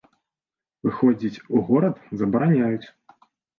Выходзіць у горад забараняюць.